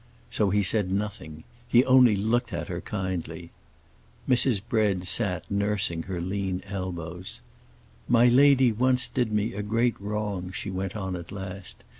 So he said nothing; he only looked at her kindly. Mrs. Bread sat nursing her lean elbows. "My lady once did me a great wrong," she went on at last.